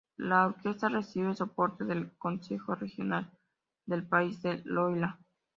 La orquesta recibe soporte del Consejo Regional de Países del Loira.